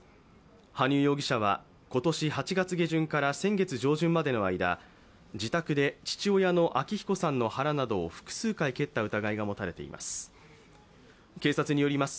羽生容疑者は今年８月下旬から先月上旬までの間、自宅で父親の昭彦さんの腹などを複数回蹴った疑いが持たれています。